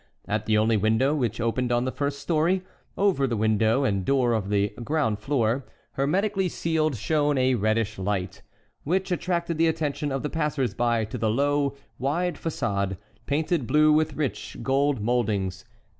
At the only window, which opened on the first story, over the window and door of the ground floor, hermetically sealed, shone a reddish light, which attracted the attention of the passers by to the low, wide façade, painted blue, with rich gold mouldings.